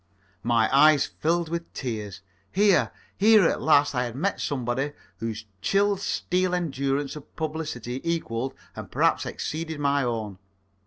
My eyes filled with tears. Here here at last I had met somebody whose chilled steel endurance of publicity equalled, and perhaps exceeded, my own.